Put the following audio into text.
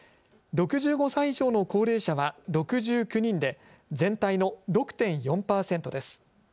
６５歳以上の高齢者は６９人で全体の６．４％です。